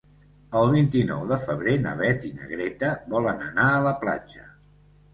El vint-i-nou de febrer na Beth i na Greta volen anar a la platja.